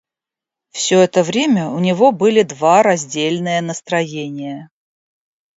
Всё это время у него были два раздельные настроения.